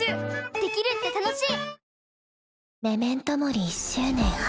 できるって楽しい！